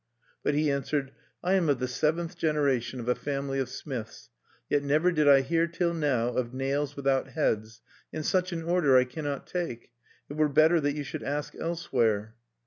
But he answered: "I am of the seventh generation of a family of smiths; yet never did I hear till now of nails without heads, and such an order I cannot take. It were better that you should ask elsewhere."